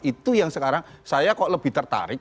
itu yang sekarang saya kok lebih tertarik